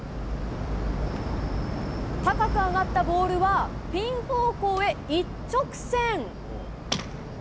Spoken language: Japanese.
高く上がったボールはピン方向へ一直線。